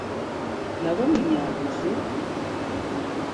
Lagun mina al duzu?